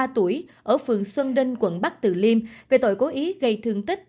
bốn mươi ba tuổi ở phường xuân đinh quận bắc từ liêm về tội cố ý gây thương tích